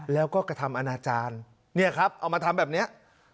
แล้วก็กระทำอนาจารย์เนี่ยครับเอามาทำแบบนี้